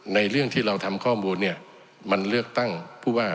เรื่องที่เราทำข้อมูลเนี่ยมันเลือกตั้งผู้ว่า